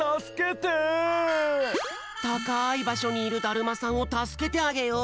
たかいばしょにいるだるまさんをたすけてあげよう！